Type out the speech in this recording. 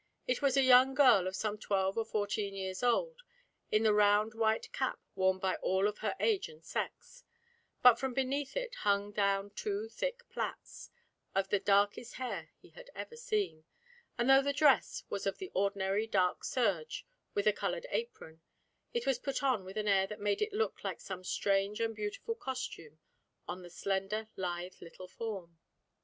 It was a young girl of some twelve or fourteen years old, in the round white cap worn by all of her age and sex; but from beneath it hung down two thick plaits of the darkest hair he had ever seen, and though the dress was of the ordinary dark serge with a coloured apron, it was put on with an air that made it look like some strange and beautiful costume on the slender, lithe, little form.